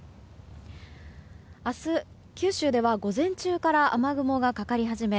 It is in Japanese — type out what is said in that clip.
明日、九州では午前中から雨雲がかかり始め